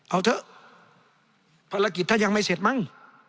เอาเถอะภารกิจถ้ายังไม่เสร็จมั้ง